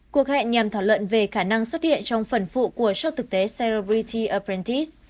cuộc hẹn nhằm thảo luận về khả năng xuất hiện trong phần phụ của sốc thực tế celebrity apprentice